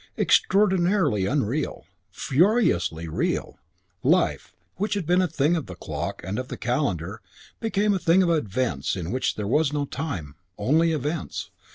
Extraordinarily unreal. Furiously real. Life, which had been a thing of the clock and of the calendar, became a thing of events in which there was no time, only events.